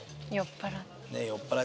酔っ払い。